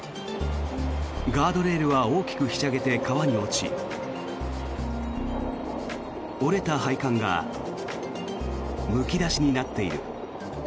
ガードレールは大きくひしゃげて川に落ち折れた配管がむき出しになっている。